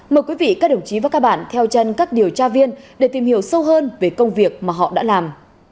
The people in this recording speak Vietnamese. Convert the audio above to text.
mời quý vị các đồng chí và các bạn theo chân các điều tra viên để tìm hiểu sâu hơn về công việc mà họ đã làm